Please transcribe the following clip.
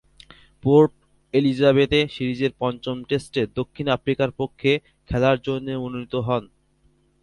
Port এলিজাবেথে সিরিজের পঞ্চম টেস্টে দক্ষিণ আফ্রিকার পক্ষে খেলার জন্যে মনোনীত হন।